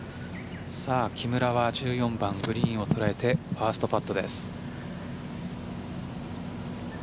木村は１４番グリーンを捉えてファーストパットです。